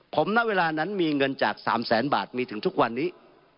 ผมณเวลานั้นมีเงินจาก๓แสนบาทมีถึงทุกวันนี้